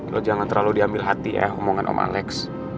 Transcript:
lo jangan terlalu diambil hati ya omongan sama alex